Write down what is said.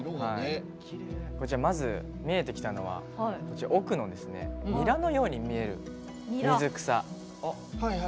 まず、見えてきたのは奥のニラのように見える水草。